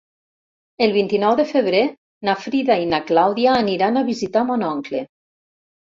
El vint-i-nou de febrer na Frida i na Clàudia aniran a visitar mon oncle.